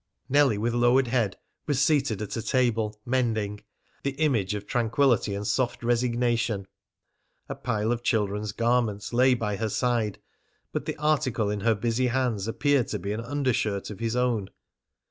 Nellie, with lowered head, was seated at a table, mending, the image of tranquillity and soft resignation. A pile of children's garments lay by her side, but the article in her busy hands appeared to be an undershirt of his own.